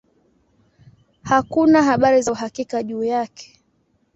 Hakuna habari za uhakika juu yake.